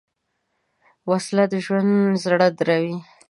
وسله د ژوند زړه دروي